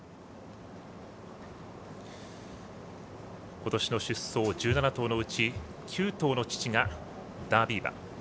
ことしの出走１７頭のうち９頭の父がダービー馬。